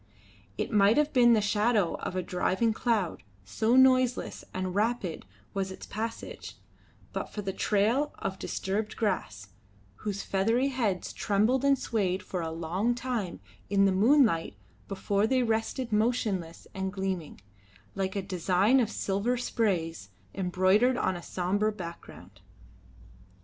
It might have been the shadow of a driving cloud, so noiseless and rapid was its passage, but for the trail of disturbed grass, whose feathery heads trembled and swayed for a long time in the moonlight before they rested motionless and gleaming, like a design of silver sprays embroidered on a sombre background.